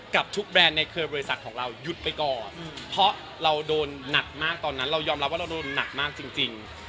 กับทุกแบรนด์ในเครือบริษัทของเราหยุดไปก่อนเพราะเราโดนหนักมากตอนนั้นเรายอมรับว่าเราโดนหนักมากจริง